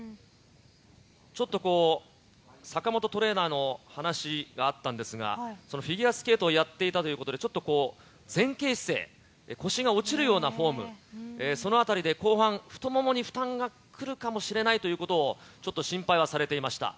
ちょっとこう、坂本トレーナーの話があったんですが、フィギュアスケートをやっていたということで、ちょっと前傾姿勢、腰が落ちるようなフォーム、そのあたりで後半、太ももに負担がくるかもしれないということを、ちょっと心配はされていました。